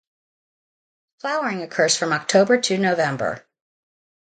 Flowering occurs from October to November.